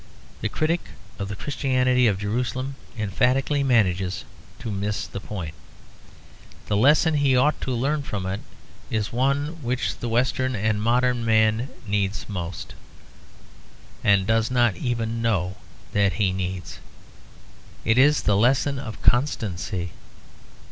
The critic of the Christianity of Jerusalem emphatically manages to miss the point. The lesson he ought to learn from it is one which the Western and modern man needs most, and does not even know that he needs. It is the lesson of constancy.